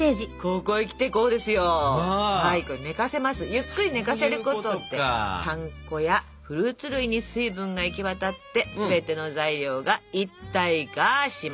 ゆっくり寝かせることでパン粉やフルーツ類に水分が行き渡って全ての材料が一体化しますと。